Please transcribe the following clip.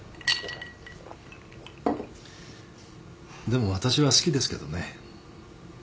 でも私は好きですけどね。